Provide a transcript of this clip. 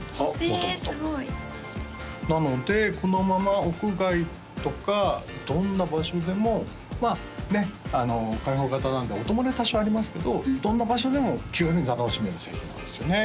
元々えすごいなのでこのまま屋外とかどんな場所でもまあね開放型なんで音漏れ多少ありますけどどんな場所でも気軽に楽しめる製品なんですよね